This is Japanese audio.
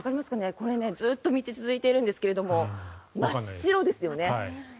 これずっと道が続いているんですが真っ白ですよね。